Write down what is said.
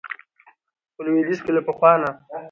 په لويديځ کې له پخوا نه